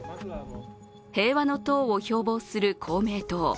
平和の党を標ぼうする公明党。